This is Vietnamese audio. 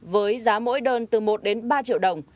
với giá mỗi đơn từ một đến ba triệu đồng